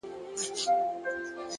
هوښیار فکر د راتلونکي بنسټ جوړوي.